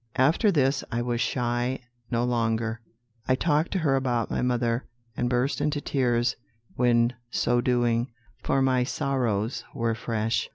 "After this I was shy no longer; I talked to her about my mother, and burst into tears when so doing, for my sorrows were fresh.